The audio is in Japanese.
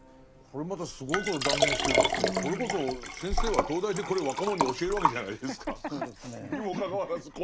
これまたすごいこと断言してるんですけどそれこそ先生は東大でこれ若者に教えるわけじゃないですか。